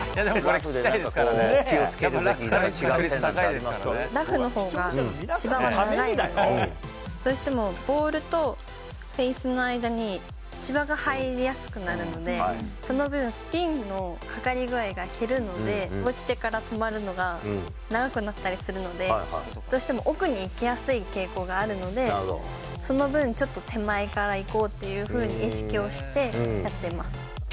ラフでなんか気をつけるべきラフのほうが芝は長いので、どうしてもボールとフェースの間に芝が入りやすくなるので、その分、スピンのかかり具合が減るので、落ちてから止まるのが長くなったりするので、どうしても奥に行きやすい傾向があるので、その分、ちょっと手前からいこうっていうふうに意識をしてやってます。